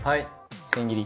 千切り。